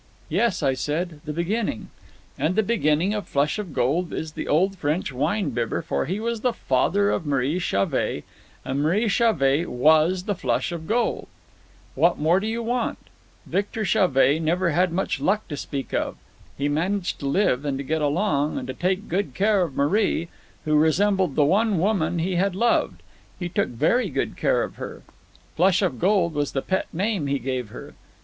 "Yes," said I; "the beginning." "And the beginning of Flush of Gold is the old French wine bibber, for he was the father of Marie Chauvet, and Marie Chauvet was the Flush of Gold. What more do you want? Victor Chauvet never had much luck to speak of. He managed to live, and to get along, and to take good care of Marie, who resembled the one woman he had loved. He took very good care of her. Flush of Gold was the pet name he gave her.